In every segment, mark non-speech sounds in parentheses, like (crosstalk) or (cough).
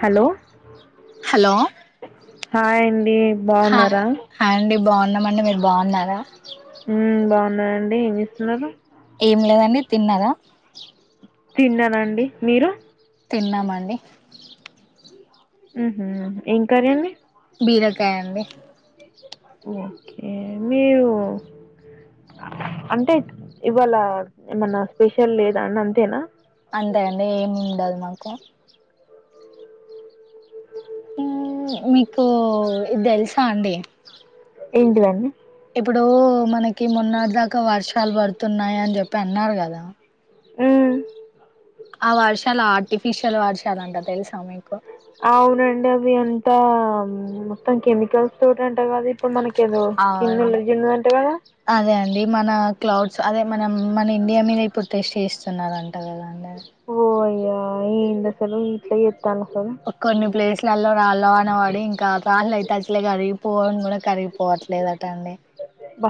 Hello hello hi ఆన్ డి బాగున్నారా ఉన్నామడి మీరు బాగున్నారా ఉమ్ బాగున్నానండి ఏం చేస్తున్నారు ఏం లేదండి తిన్నారా తిన్నానండి మీరు తిన్నామండి ఉహు ఏం కర్రీ అండి బీరకాయండి ఓకే మీరు అంటె ఇవాళ ఏమన్నా స్పెషల్ లేదన అంతేనా అంతే అండి ఏం ఉండదు మాకు ఉమ్ మీకూ ఇది తెలుసా అండి ఎంటి దండి ఇప్పుడూ మనకి మొన్నటి దాకా వర్షాలు పడుతున్నాయి అని జెప్పి అన్నారు కదా ఉమ్ ఆ వర్షాలు ఆర్టిఫిషియల్ వర్షాలంట తెలుసా మీకు అవునండి అవి అంతా మొత్తం కెమికల్స్ తోటండి అట్ట కాదు ఇప్పుడు మనకి ఏదో కిన్ ఎలర్జీ ఉంది ఆట కదా మనా క్లౌడ్స్ అదే మనం మన ఇండియా మీద ఇప్పుడు టెస్ట్ చేస్తున్నారంట కదా అండి ఓ అయ్య ఎందసలు ఇట్ల జె కొన్ని ప్లేసులల్లో రాళ్ల వానపడి ఇంకా ఫ్యాన్ లైట్ అచ్చలే కరి పోన్ గూడా కరిగిపోవట్లేదుక్క బ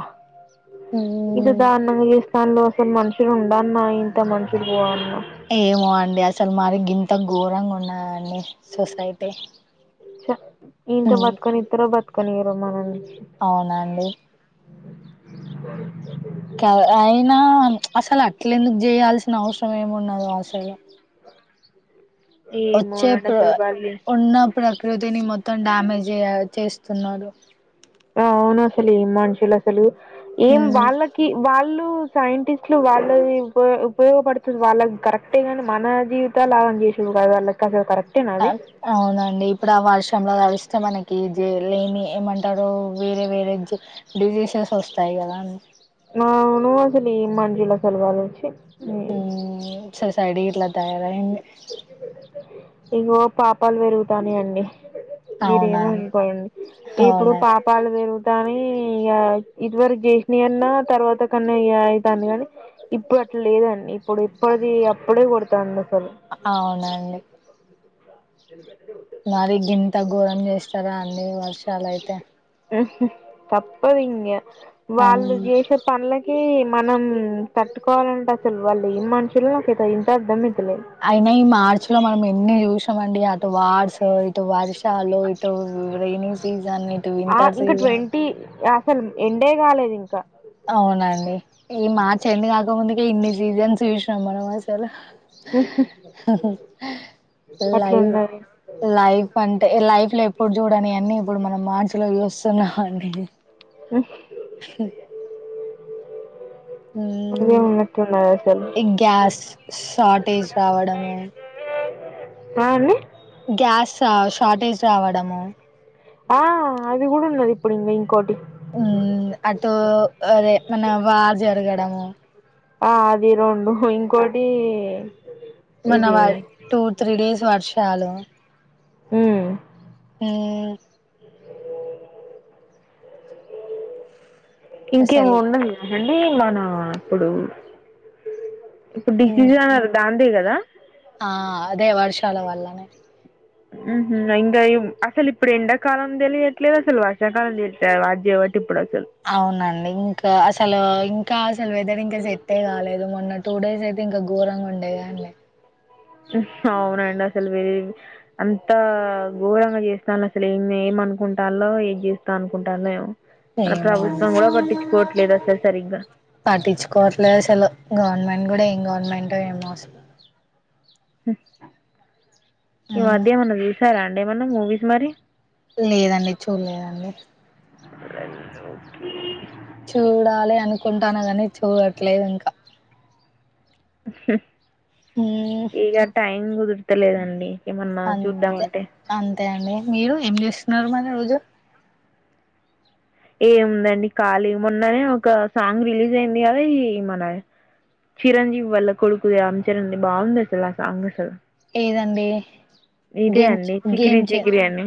ఇగ ఉమ్ దాని ఏ స్థాన్లో అసలు మనుష ఇక్కడ ఉండన్న ఇంత మనుషులు పోవన్న ఏమో అండి అసల్ మరి గింత ఘోరంగా ఉన్నదండి సొసైటీ ఛ ఇంత బతుకొని ఇద్దారు బతుకనిరు మనల్ని అవునా అండి (inaudible) క అయినా చ్ అసలు అట్లేందుకు చేయాల్సిన అవసరం ఏమున్నదో అసలు. ఏమో వచ్చే నండి ప్ర అసలు బల్లి ఉన్న ప్రకృతిని మొత్తం డ్యామేజ్ చే చేస్తున్నారు. అవును అసలు ఏమ్ మనుషులు అసలు ఏమ్ వాళ్ళకి వాళ్ వాళ్ళు సైంటిస్ట్లు వాళ్ళవి ఉపయోగపడుతుంది వాళ్ళకి కరెక్టె గానీ మన జీవితాలు ఆదా పన్ జేసిరు వాళ్ళు కదా వాళ్ళకి అదే కరెక్ట్ అద్ అవునండి ఇప్పుడు ఆ వర్షంలో తడిస్తే మనకి జె లేని ఏమంటాడో వేరే వేరే డిజి డిజీసెస్ వస్తాయి కదా అని అవును అసలు ఏం మనుషులు వాళ్ళు చీ ఉ సొసైడి ఇట్ల తయారయింది. ఇగో పాపాలు పెరుగుతాన్నాయ్ అండి అవునండి మీరేమనుకొండి ఇప్పుడు అవునండి పాపాలు పేరుగు తానే ఇగ ఇదివరకి చేసిన అన్ అన్నా తర్వాత కన్నయ్య అవుతుంది కనీ ఇప్పుడు అట్లా లేదండి, ఇప్పుడు ఇప్పటిది అప్పుడే కొడతంద్ అ అవునండి (inaudible) మరి గింత ఘోరం చేస్తారా అండి వర్షాలయితే ఉ హు తప్పదింగా వాళ్ళు చేసే పనులకి మనం తట్టుకోమ్ అసలు వాళ్ళు ఏ మనుషులు నాకైతే ఇంత అర్ధం అయితలే. అయినా ఈ మార్చ్ లో మనం ఎన్ని చూసామండి అటు వార్సొ ఇటు వర్షాలు ఇటు రెయిని సీజన్ ఇటు వింటర్ సీజన్ అసల్ ఎండే గాలేదు ఇంకా అవునండి ఈ మార్చెండ్ కాకముందుకే ఇన్ని సీజన్స్ చూసినాం మనం అసలు. హ హ హ లైవ్ అట్లున్నది లైఫ్ అంటే ఈ లైఫ్ లో ఎప్పుడు చూడని అన్ న్నీ ఇప్పుడు మనం మార్చి లో చూస్తున్నామ్ అండి. (inaudible) అన్ని ఉన్నట్టు ఈ గ్యాస్ షార్టేజ్ రావడము ఆ అన్ని గ్యాస్ రావ్ షార్టేజ్ రావడము ఆ అది కూడా ఉన్నది ఇప్పుడు ఇంగా ఇంకోటి ఉ అటు అదే మన వా జరగడము ఆ అది రెండు ఇంకోటి ఇది మన్నా టూ త్రీ డేస్ వర్షాలు ఉ ఉ ఇంకేము అసలు ఉండదు కదండి మనము ఇప్పుడు ఇప్పుడు ఉమ్ డిసిజ్ అన్నారు దాందే కదా ఆ అదే వర్షాల వల్లనే ఉ హు ఇంకా ఇమ్ అసలు ఇప్పుడు ఎండాకాలం తెలియట్లేదు అసలు వర్షాకాలం తెలియట్ల వడ్జి వడ్జ్ అవునండి ఇంకా అసలు ఇంకా అసలు వెదర్ ఇంకా సెట్టే కాలేదు మొన్న టూ డేస్ అయితే ఇంకా ఘోరంగా ఉండేగాన్లే ఉహ్ అవునండి అసలు వేరేవి అంత ది అసలు ఏమ్ ఏమనుకుంటాలో ఏమ్ చేస్తా అనుకుంటానంది ఏమో మన ఏమో అండి ప్రభుత్వం కూడా పట్టించుకోవట్లేదు అసలు సరిగ్గా పట్టించుకోవట్లేదు అసలు గవర్నమెంట్ కూడా ఏం గవర్నమెంటో ఏమో అసలు. ఈ మ్మ్ మధ్య ఏమన్నా చూసారా అండి ఏమన్నా మూవీస్ మరి లేదండి చూడలేదండి అఓకే చూడాలి అనుకుంటాను కాని చూడట్లేదు ఇంకా మ్మ్ ఇక టైం కుదురతలేదండి అంతే అంతే అండి మీరు ఏం చేస్తున్నారు మరి రోజు ఏముందండి ఖళీ మొన్ననే ఒక సాంగ్ రిలీజ్ అయింది కదా ఇ మన చిరంజీవి వల్ల కొడుకుది రామ్చరంజి బాగుంది అసలు సాంగ్ అసలు ఏదండి ఇదే గేమ్ అన్నడి చికిరి గేమ్ చే చిగరి అన్న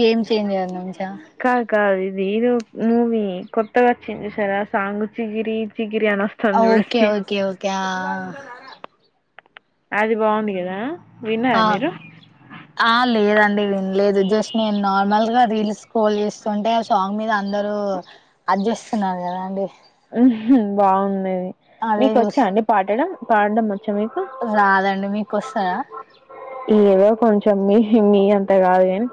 గేమ్ చేంజర్ నుంచా కా కా ఇ ది ఏదో మూవీ కొత్తగా వచ్చింసారా సాంగ్ చిగిరి చి ఓకే ఓకే ఓకే అది బాగుంది కదా ఆ విన్నారా మీరు ఆ లేదని అ వినలేదు జస్ట్ నేను నార్మల్ గా రీల్స్ కోల్ చేస్తుంటే ఆ సాంగ్ మీద అందరుూ అది చేస్తున్నారు కదా అండి బాగుందిది అదే మీకు వచ్చా చూస్ అండి పాడడం పాడడం వ చ్చ మీకు రాదండి మీకు వస్తదా ఏవో కొంచం మీ ఇ మీ అంతా కాదు ఏం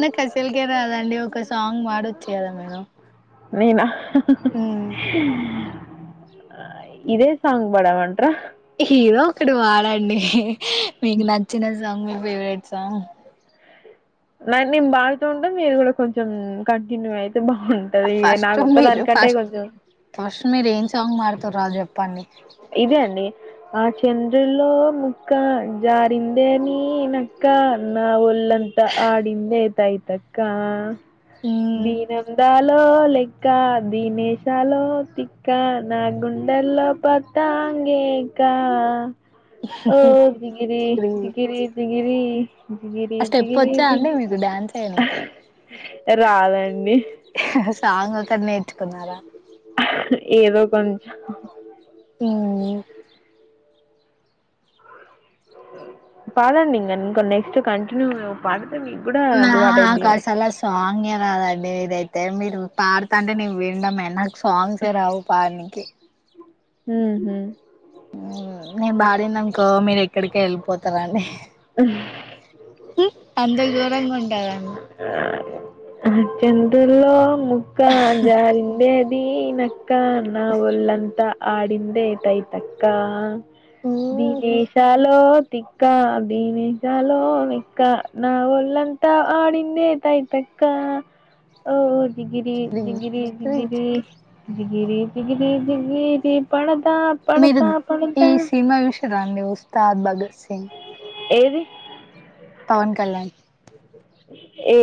నా కసలకే రాదండి ఒక్క సాంగ్ వాడొచ్చు కదా మీరూ నీనా ఇదే సాంగ్ పదమంత్ర హదో ఒకటి వాడండి మీకు నచ్చిన (inaudible) మీ ఫావరేట్స్ ఆ న నేను బాగుత ఉంటా మీరు కూడా కొంచెం కంటిన్యూ అయి ఫస్ట్ మీరు ఫస్ట్ కొంచెం ఫస్ట్ మీరు ఏం సాంగ్ మడుతరు చెప్పండి ఇదే అండి ఆ చండ్రులో ముక్క జారింద అని నక్క నా ఒళ్ళంత త ఆడింద అయి తాయితక్క మ్మ్ దీనంందాలో లెక్క దీనేేశాలో తిక్క నాగు లో పత అంగేకా ఓ జిగిరి చిక్రీ జిగిరి జిగిరి జిగిరి ఆ స్టెప్ జిగిరి వచ్చా అండి జిగిరి మీకు డ్యాన్స్ చేయనికి రాదండి సాంగ్ ఒక్కటి నెర్చుకున్నర ఏదో కొంచం ఉమ్ పదండి ఇంకా నెక్స్ట్ కంటిన్యూ మీకు కూడా అలవాటైద్ది నకాసలే ఆ సాంగ్ ఎయ్ రాదండి అండి ఇది అంతే మీరు పాడుతంటే విన్నామే నాకు సాంగ్సే రావు పాడనికి ఉమ్ హు నేను బాడిందనుకో మీరు ఎక్కడికి వెళ్ళిపోతారాండి అంతా ఘోరంగా ఉంటాధా ఆ చంద్రలో ముక్క జారిందే నీ నక్కా అక్క నా ఒల్ంతా ఆడిందే తయితక్క ధినేయషలో తిక్క దీని చాలో మిక్క నాళ్ళంతా ఆడిందే తై (inaudible) ఓ జిగిరి జిగిరి జిగిరి జిగిరి జిగిరి జిగిరి జిగిరి పదథ మీరు ఈ సినిమా చుసింద్ర ఉస్తాద్ భగత్ సింగ్ ఏది పవన్ కళ్యాణ్ ఏ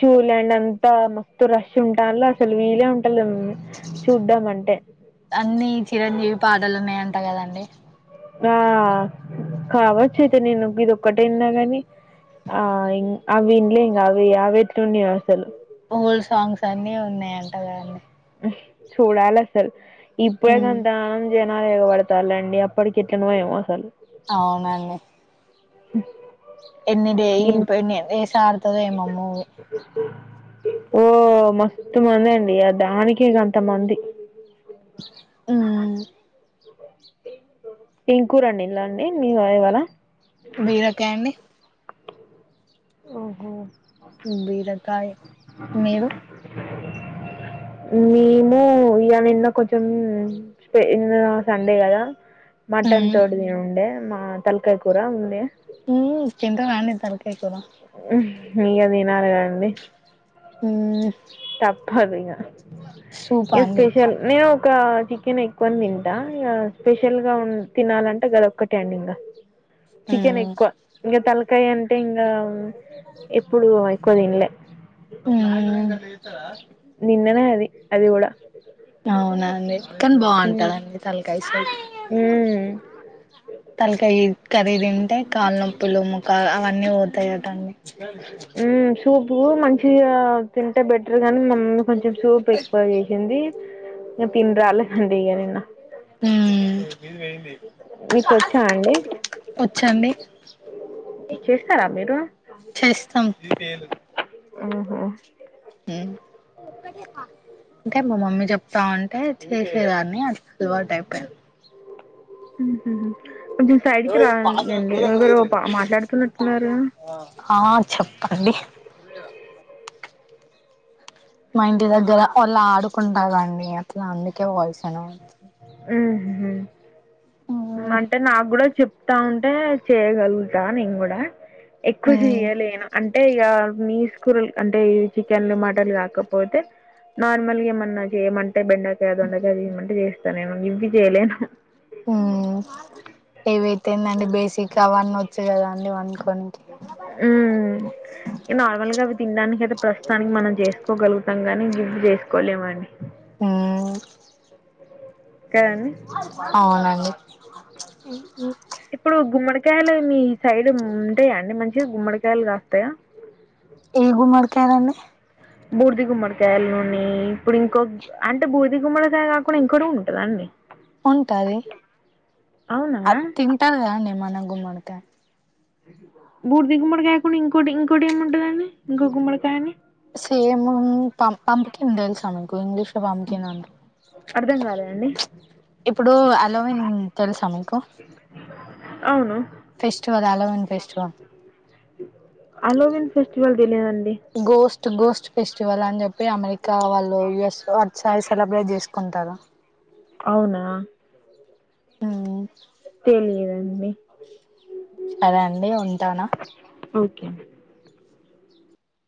చూలే అంతా మస్తు రష్ ఉంటలు అసలు వీలే ఉంటా అన్నిీ చిరంజీవి పాటలున్నా అంటా కదండి ఆ కావచ్చయితే నేను ఇదిక్కటైనా గాని ఆ అవి విన్నలే ఇం అవి అవి ఎట్ల ఉన్నాయో అసలు ఓల్డ్ సాంగ్స్ అన్నిీ ఉన్నాయంటగాదండి చూడాల అసల్ ఇప్పుడేక ఎంద జ యోగ పడతరండి అప్పటికి అట్లనో ఏమో అసలు అవునండి హ్మ్ ఎన్ని డే (unintelligible) ఆడుతాడు ఏమో మూవీ ఓ మస్తు మంది అండి ఆ దానికి గంతమంది ఉమ్ ఏంకూర అన్నిడిన్లు మీ ఇవళ బీరకాయా అండి ఓహో బీరకాయ మీరు మేము ఇగా నిన్న కొంచెం సండే కదా మటన్ తోడది ఉండే మా తలకాయ కూర ఉండే హ్మ్మ్ తింటారా అండి తలకాయ కూర (unintelligible) ఇగ తినాలే కదండి మ్మ్ తప్పదు ఇగ సూపా ఇగా అండి స్పెషల్ నేను ఒక చికెన్ ఎక్కువని తింటా స్పెషల్ గా ఉ తినాలంటే గద ఒక్కట అండి ఇంకా చికెన్ మ్మ్ ఎక్కువ ఇంకా తలకాయ అంటే ఇంకా ఎప్పుడు ఎక్కువ తినలే ఉమ్ నిన్ననే అది అది కూడా కాని మ్మ్ బాగుంటదండి తలకాయ సూప్ మ్మ్ తలకాయ కర్రీ తింటే కాలునొప్పులు ముకాలు అవన్నీ పోతాయిటండి పూ మంచిగా తింటే బెటర్ గాని మమ్ల్ని కొంచెం సూప్ ఎక్కువ చేసింది ఇగ తిని రాలేదండి ఇగ నిన్న హ్మ్ మీకు వచ్చా అండి వచ్చండి చేస్తారా మీరు చేస్తాం ఆహా ఉం ఇంకా మా మమ్మీ చెప్తా ఉంటే చేసేదాన్ని అది అలవాటు అయిపోయా మ్మ్ కొంచెం సైడ్కి ఓ ఇ పాత్ర రండి గోరంగా ఎవరో పా మాట్లాడుతున్నట్టున్నారు (unintelligible) ఆ చెప్పండి మా ఇంటి దగ్గర వాళ్ళు ఆడుకుంటా రండి అట్లా అందుకే పోయిసాను మ్మ్ హ్మ్ మ్మ్ వస్తా ఉంటే చేయగలుగుతా నేను కూడా ఎక్కుస్ మ్మ్ ఇయ్యాలేను అంటే ఇక మీస్ కూరలు అంటే చికెన్ లు మటన్ లు కాకపోతే నార్మల్ గా ఏమన్నా చేయమ బెండకాయ దొండకాయ చేయమంటే చేస్తా నిను ఇన్ని చేయలేను ఉం ఏవైతేందండి బేసిక్గా అవన్నీ వచ్చు కదా అండి వనుకొని ఉం నార్మల్గా అవి తినడానికి అయితే ప్రస్తుతానికి మనం చేసు చెప్పుకొ గలుగుతాము గాని ఇంకా ఇప్పుడు చేసుకోలేమండి ఆ కదండి అవునండి ఇప్పుడు గుమ్మడి కాయలు మీ సైడ్ ఉంటాయా అండి మంచిగా గుమ్మడికాయలు గాస్తయా ఏ గుమ్మడికాయలున్నయ్ బూర్ది గుమ్మడికాయల నూనె ఇప్పుడు ఇంకో అంటే బూర్ది గుమ్మడికాయ కాకుండా ఇంకోటి కూడా ఉంటదండి ఉంటది అవునా అది తింటారు గదండి మన గుమ్మడికాయ్ బూర్ది గుమ్మడికాయ కాకుండా ఇంకోటి ఇంకోటి ఏమి ఉంటదండినిశ ఇంకో గుమ్మడికాయని సేమ్ పం పంపికిన్ తెలుసా మీకు ఇంగ్లీష లో పంపికిన్ అంటే అర్ధం కాలేదండి ఇప్పుడు అలోవిన్ తెలుసా మీకు అవును festival Halloween festival Halloween festival తెలియన్ గోస్ట్ గోస్ట్ ఫెస్టివల్ అని జెప్పి అమెరికా వాళ్ళు యుఎస్ లో అటుసైడ్ సెలబ్రేట్ జేస్ కొంతారా అవునా ఉమ్ తెలియదండి సరే అండి ఉంటానా ఓకే అండి